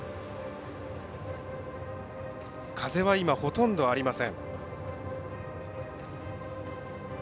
風は今ほとんどありません。